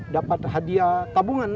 dapat hadiah tabungan